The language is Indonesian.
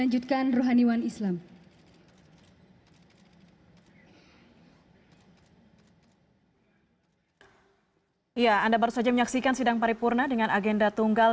untuk mewujudkan tujuan nasional